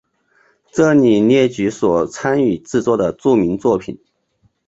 这里列举所参与制作的著名作品。